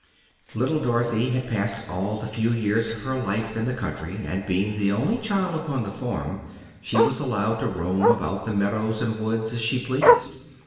LITTLE DOROTHY had passed all the few years of her life in the country, and being the only child upon the farm she was allowed to roam about the meadows and woods as she pleased.